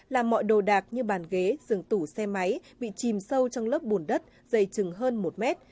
làm mọi đồ đạc như bàn ghế giường tủ xe máy bị chìm sâu trong lớp bùn đất dày chừng hơn một mét